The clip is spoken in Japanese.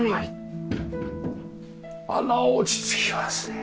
あら落ち着きますねえ。